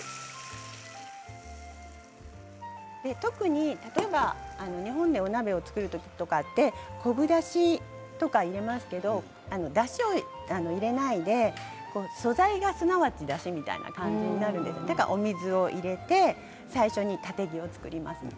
特に例えば日本でお鍋を作る時とか昆布だしとか入れますけれどもだしを入れないで素材がすなわちだしみたいな感じになるのでお水を入れて最初にタテギを作ります。